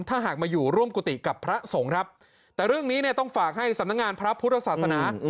ถ้าหากมาอยู่ร่วมกุฏิกับพระสงฆ์ครับแต่เรื่องนี้เนี่ยต้องฝากให้สำนักงานพระพุทธศาสนา